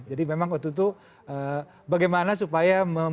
jadi memang waktu itu bagaimana supaya memenuhi